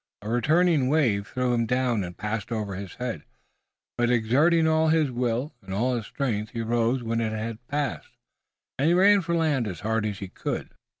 A returning wave threw him down and passed over his head, but exerting all his will, and all his strength he rose when it had passed, and ran for the land as hard as he could.